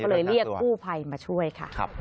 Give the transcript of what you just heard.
ก็เลยเรียกกู้ภัยมาช่วยค่ะ